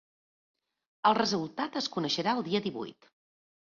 El resultat es coneixerà el dia divuit.